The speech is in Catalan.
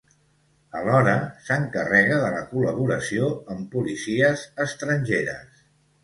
Alhora, s'encarrega de la col·laboració amb policies estrangeres.